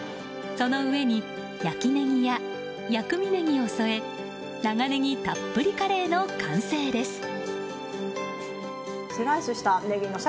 その上に焼きネギや薬味ネギを添え長ネギたっぷりカレーの完成です。